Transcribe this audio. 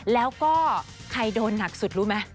แล้วก็ใครโดนหนักสุดรู้ไหม